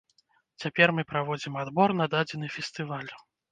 Цяпер мы праводзім адбор на дадзены фестываль.